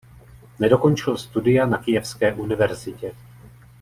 Nedokončil studia na Kyjevské univerzitě.